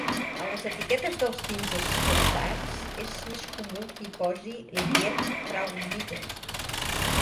A les etiquetes dels vins exportats és més comú que hi posi "Liebfraumilch".